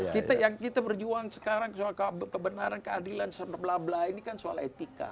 kita yang kita berjuang sekarang soal kebenaran keadilan sama bla bla ini kan soal etika